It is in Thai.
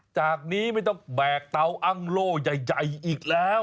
จากนี้ไม่ต้องแบกเตาอ้างโล่ใหญ่อีกแล้ว